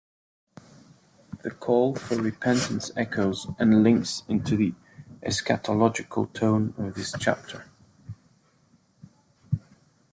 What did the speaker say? The call for repentance echoes and links into the eschatological tone of this chapter.